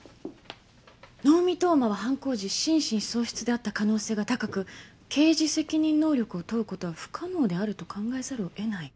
「能見冬馬は犯行時心神喪失であった可能性が高く刑事責任能力を問うことは不可能であると考えざるを得ない」。